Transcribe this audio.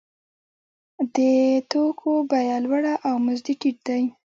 د توکو بیه لوړه او مزد یې ټیټ دی